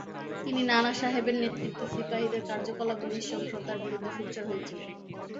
তিনি নানাসাহেবের নেতৃত্বে, সিপাহীদের কার্যকলাপ ও নৃশংসতার বিরুদ্ধে সোচ্চার হয়েছিলেন।